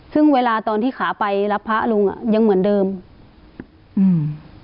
ซึ่งเวลาตอนที่ขาไปรับพระลุงอ่ะยังเหมือนเดิมอืม